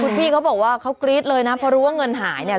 คุณพี่เขาบอกว่าเขากรี๊ดเลยนะเพราะรู้ว่าเงินหายเนี่ย